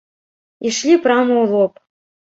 Ішлі прама ў лоб.